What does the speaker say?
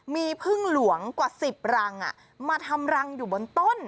มีพึ่งหลวงกว่า๑๐รังมาทำรังอยู่บนต้น